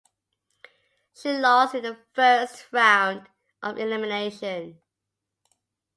She lost in the first round of elimination.